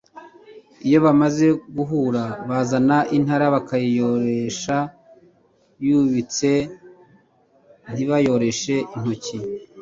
Iyo bamaze guhura bazana intara bakayiyoresha yubitse (ntibayoresha intoki)